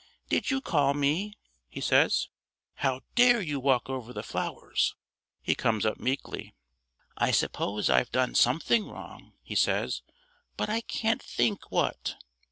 "Did you call me?" he says. "How dare you walk over the flowers?" He comes up meekly. "I suppose I've done something wrong," he says, "but I can't think what."